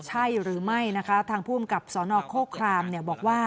ใช่หรือไม่นะคะทางผู้อำกับสนโคครามบอกว่า